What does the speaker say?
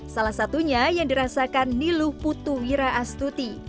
salah satunya yang dirasakan niluh putuwira astuti